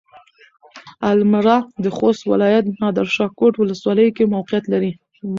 المره د خوست ولايت نادرشاه کوټ ولسوالۍ کې موقعيت لري.